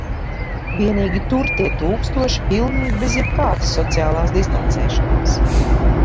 Vienīgi tur tie tūkstoši pilnīgi bez jebkādas sociālās distancēšanās.